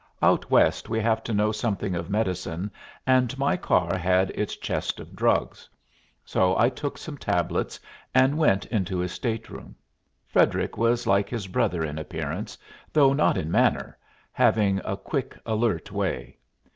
Out West we have to know something of medicine, and my car had its chest of drugs: so I took some tablets and went into his state room. Frederic was like his brother in appearance, though not in manner, having a quick, alert way.